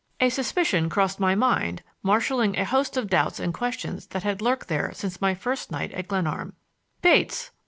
A suspicion crossed my mind, marshaling a host of doubts and questions that had lurked there since my first night at Glenarm. "Bates!"